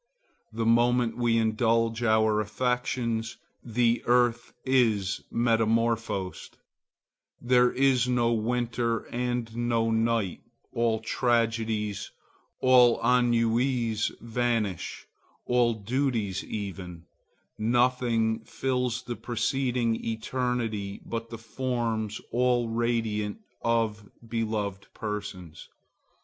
The moment we indulge our affections, the earth is metamorphosed; there is no winter and no night; all tragedies, all ennuis vanish,—all duties even; nothing fills the proceeding eternity but the forms all radiant of beloved persons.